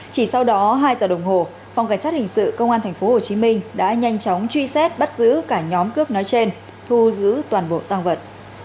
chỉ sau đó hai giờ đồng hồ phòng cảnh sát hình sự công an tp hcm đã nhanh chóng truy xét bắt giữ cả nhóm cướp nói trên thu giữ toàn bộ tăng vật